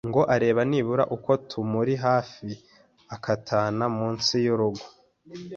ngo arebe nibura ko tumuri hafi, akatana mu nsi y' urugo